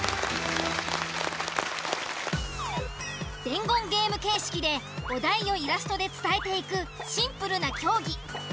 伝言ゲーム形式でお題をイラストで伝えていくシンプルな競技。